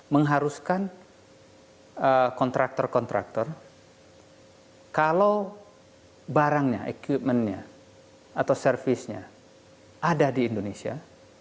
mengharuskan kontraktor kontraktor kalau barangnya equipment nya atau servisnya ada di indonesia